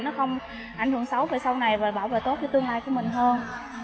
nó không ảnh hưởng xấu về sau này và bảo vệ tốt cho tương lai của mình hơn